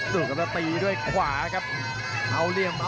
เติบด้วยแข่ง